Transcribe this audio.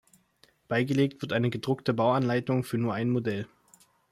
Beigelegt wird eine gedruckte Bauanleitung für nur ein Modell.